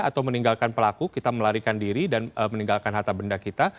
atau meninggalkan pelaku kita melarikan diri dan meninggalkan harta benda kita